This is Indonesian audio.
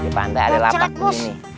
di pantai ada lapak begini